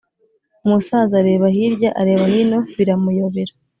umusaza areba hirya areba hino biramuyobera